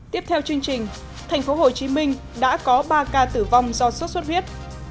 tiếp theo chương trình thành phố hồ chí minh đã có ba ca tử vong do sốt xuất huyết